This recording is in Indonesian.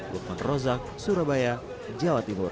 lukman rozak surabaya jawa timur